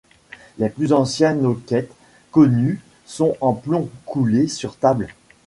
Les plus anciens noquets connus sont en plomb coulé sur table.